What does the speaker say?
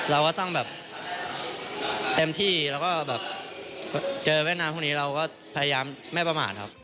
เราก็ต้องแบบเต็มที่แล้วก็แบบเจอเวียดนามพวกนี้เราก็พยายามไม่ประมาทครับ